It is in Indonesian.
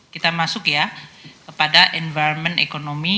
kita masuk ya kepada environment ekonomi